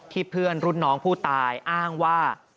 เพื่อนรุ่นน้องผู้ตายอ้างว่า